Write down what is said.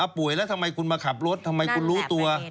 ป่วยแล้วทำไมคุณมาขับรถทำไมคุณรู้ตัว